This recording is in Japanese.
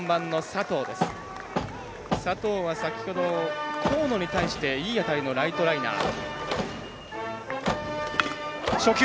佐藤は、先ほど河野に対していい当たりのライトライナー。